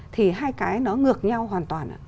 thì hai cái nó ngược nhau hoàn toàn